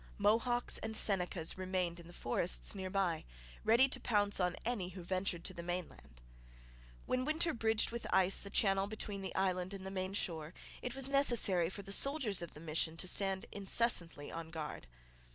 Mohawks and Senecas remained in the forests near by, ready to pounce on any who ventured to the mainland. When winter bridged with ice the channel between the island and the main shore, it was necessary for the soldiers of the mission to stand incessantly on guard.